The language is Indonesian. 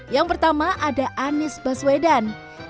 yang pertama ada anies baswedan